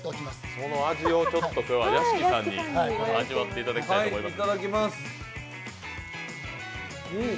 その味を屋敷さんに味わっていただきたいと思います。